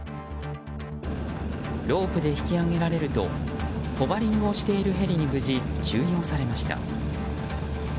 ロープで引き上げられるとホバリングをしているヘリに無事、収容されました。